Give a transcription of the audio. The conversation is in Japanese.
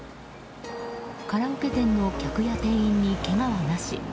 カラオケ店の客や店員にけがはなし。